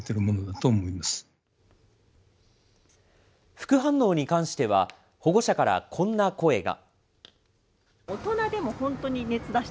副反応に関しては、保護者からこんな声が。